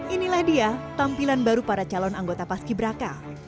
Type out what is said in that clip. inilah dia tampilan baru para calon anggota paski braka